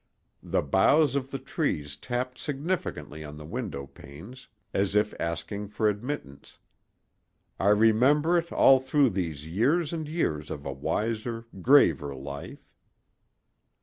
The boughs of the trees tapped significantly on the window panes, as if asking for admittance. I remember it all through these years and years of a wiser, graver life.